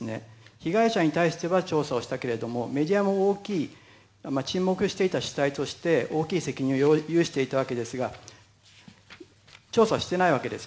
被害者に対しては調査をしたけれど、メディアも沈黙していた主体として大きい責任を有していたわけですが調査してなかったわけです。